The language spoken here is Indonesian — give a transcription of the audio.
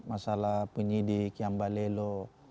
masalah penyidik kiam balelo